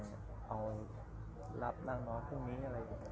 เอารับร่างน้องพรุ่งนี้อะไรอย่างนี้